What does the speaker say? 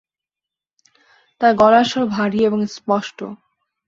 তাঁর গলার স্বর ভারি এবং স্পষ্ট।